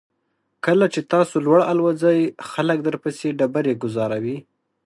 کله چې تاسو لوړ الوځئ خلک درپسې ډبرې ګوزاروي.